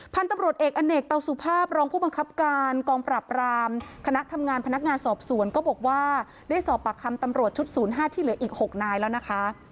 พันธุ์ตำรวจเอกอเนกเตาสุภาพรองผู้บังคับการกองปรับรามคณะทำงานพนักงานสอบสวนก็บอกว่าได้สอบปากคำตำรวจชุด๐๕ที่เหลืออีก๖นายแล้วนะคะ